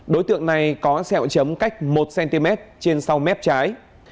đối tượng này có xe hội chấm cách một cm trên sau mép trái